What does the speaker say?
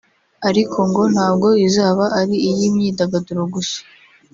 ariko ngo ntabwo izaba ari iy’imyidagaduro gusa